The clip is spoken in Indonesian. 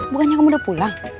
bukannya kamu udah pulang